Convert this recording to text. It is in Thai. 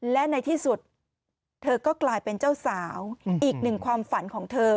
และในที่สุดเธอก็กลายเป็นเจ้าสาวอีกหนึ่งความฝันของเธอ